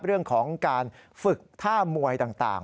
เรื่องของการฝึกท่ามวยต่าง